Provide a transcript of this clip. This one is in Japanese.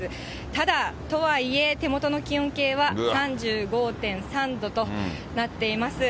ただ、とはいえ、手元の気温計は３５．３度となっています。